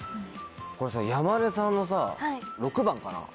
これ山根さんのさ６番かな？